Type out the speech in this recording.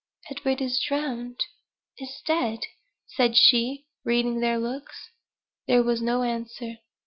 "Edward is drowned is dead," said she, reading their looks. There was no answer.